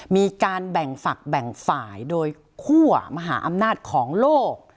มีการแบ่งฝักแบ่งฝ่ายโดยคั่วมหาอำนาจของโลก